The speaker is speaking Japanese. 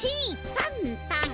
パンパン。